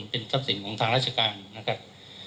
เป็นทรัพย์สินของทางราชการนะครับ